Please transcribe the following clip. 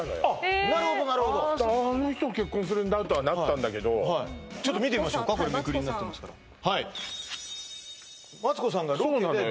なるほどなるほどあの人と結婚するんだとはなったんだけどちょっと見てみましょうかこれめくりになってますからはいそうなのよ